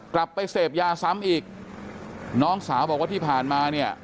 กลับไปเสพยาซ้ำอีกน้องสาวบอกว่าที่ผ่านมาเนี่ย